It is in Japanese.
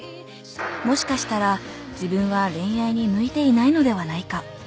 もしかしたら自分は恋愛に向いていないのではないか。